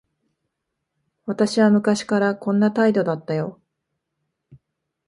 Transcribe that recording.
私は昔からこんな態度だったよ。